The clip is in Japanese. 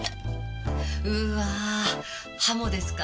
うわハモですか？